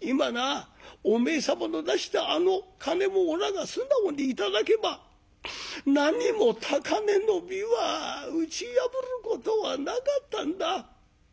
今なお前様の出したあの金をおらが素直に頂けば何も高嶺の琵琶打ち破ることはなかったんだ。